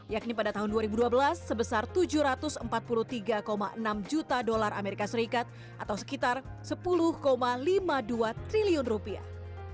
yakni pada tahun dua ribu dua belas sebesar tujuh ratus empat puluh tiga enam juta dolar amerika serikat atau sekitar sepuluh lima puluh dua triliun rupiah